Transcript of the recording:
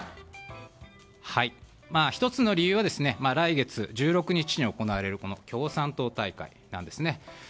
１つの理由は来月１６日に行われる共産党大会なんですね。